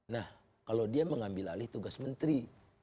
nah kalau dia mengambil alih tugas menteri